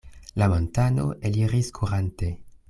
La montano eliris kurante.